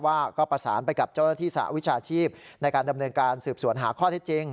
ว่าก็ประสานไปกับเจ้าหน้าที่สหวิชาชีพในการดำเนินการสืบสวนหาข้อเท็จจริง